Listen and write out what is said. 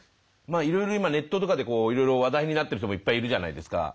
まあいろいろ今ネットとかでこういろいろ話題になってる人もいっぱいいるじゃないですか。